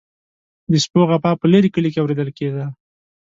د سپو غپا په لرې کلي کې اوریدل کیده.